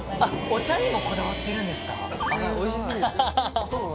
お茶にもこだわってるんですか。